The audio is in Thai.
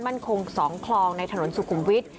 มั่นคง๒คลองในถนนสุขุมวิทย์